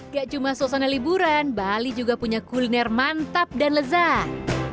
gak cuma suasana liburan bali juga punya kuliner mantap dan lezat